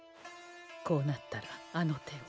こうなったらあの手を。